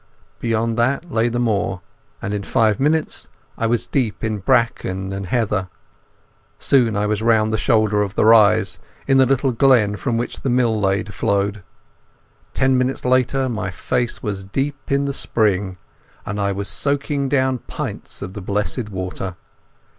Beyond that lay the moor, and in five minutes I was deep in bracken and heather. Soon I was round the shoulder of the rise, in the little glen from which the mill lade flowed. Ten minutes later my face was in the spring, and I was soaking down pints of the blessed water.